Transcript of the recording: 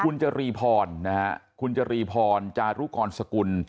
คุณจรีพรนะฮะคุณจรีพรจารุกรสกุล